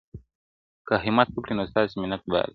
که همت وکړی نو ستاسي منت بار یو-